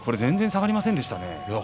下がりませんでしたね。